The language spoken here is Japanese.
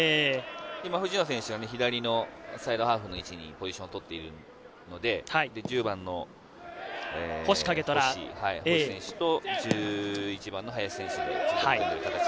今、藤野選手が左のサイドハーフの位置にポジションをとっているので、１０番の星選手と１１番の林選手。